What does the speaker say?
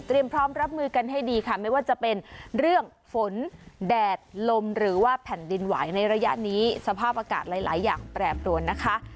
พร้อมรับมือกันให้ดีค่ะไม่ว่าจะเป็นเรื่องฝนแดดลมหรือว่าแผ่นดินไหวในระยะนี้สภาพอากาศหลายอย่างแปรปรวนนะคะ